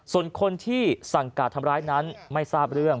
ส่วนคนที่สั่งการทำร้ายนั้นไม่ทราบเรื่อง